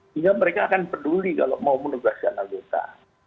sehingga mereka akan peduli kalau mau menugaskan anggota